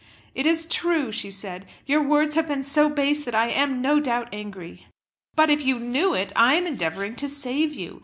"It is true," she said, "your words have been so base that I am no doubt angry." "But if you knew it, I am endeavouring to save you.